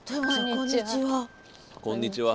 こんにちは。